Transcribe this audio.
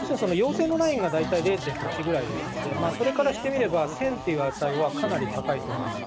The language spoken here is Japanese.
要するにその陽性のラインが０．８ぐらいですので、それからしてみれば１０００という値はかなり高いと思います。